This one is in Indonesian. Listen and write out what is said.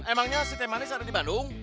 emangnya si teh manis ada di bandung